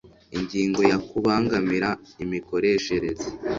ingingo ya kubangamira imikoreshereze